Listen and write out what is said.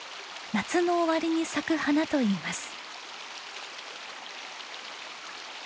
夏の終わりに咲く花といいます。